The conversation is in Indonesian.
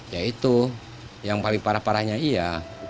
ya itu yang paling parah parahnya iya